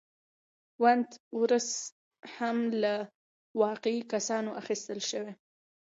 وُنت وُرث هم له واقعي کسانو اخیستل شوی و.